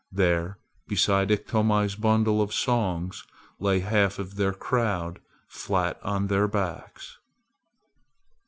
There beside Iktomi's bundle of songs lay half of their crowd flat on their backs.